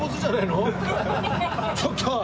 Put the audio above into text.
ちょっと！